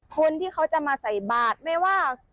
คนที่เขาจะมาใส่บาทไม่ว่า